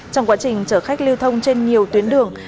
trong quá trình chở khách lưu thông trên nhiều tuyến đường